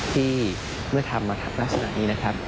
ที่เมื่อทำมาทำลักษณะนี้นะครับ